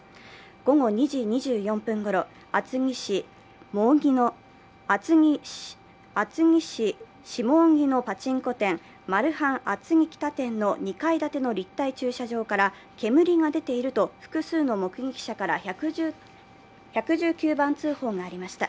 午後２時２４分頃、厚木市下荻野のパチンコ店マルハン厚木北店の立体駐車場から煙が出ていると複数の目撃者から１１９番通報がありました。